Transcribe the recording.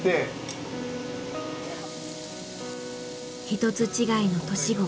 一つ違いの年子。